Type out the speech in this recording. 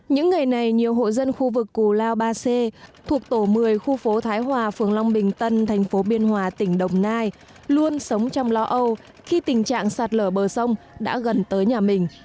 những ngày này nhiều hộ dân khu vực cù lao ba c thuộc tổ một mươi khu phố thái hòa phường long bình tân thành phố biên hòa tỉnh đồng nai luôn sống trong lo âu khi tình trạng sạt lở bờ sông đã gần tới nhà mình